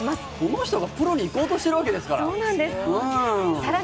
この人がプロにいこうとしているわけですから。